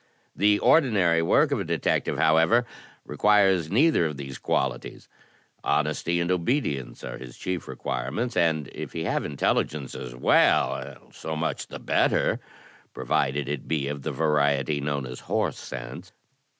The ordinary work of a detective, however, requires neither of these qualities. Honesty and obedience are his chief requirements, and if he have intelligence as well, THE DETECTIVE 67 SO much the better, provided it be of the variety known as horse sense.